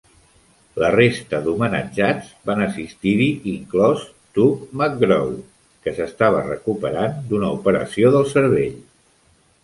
La resta d'homenatjats van assistir-hi, inclòs Tug McGraw, que s'estava recuperant d'una operació del cervell.